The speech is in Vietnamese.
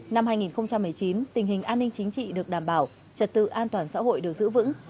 năm hai nghìn một mươi chín tình hình an ninh chính trị được đảm bảo trật tự an toàn xã hội được giữ vững